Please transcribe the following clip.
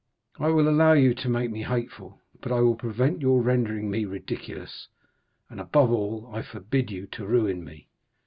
I will allow you to make me hateful, but I will prevent your rendering me ridiculous, and, above all, I forbid you to ruin me."